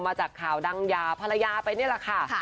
มาจากข่าวดังยาภรรยาไปนี่แหละค่ะ